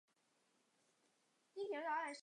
唯康文署未有回覆加设栏杆的原因。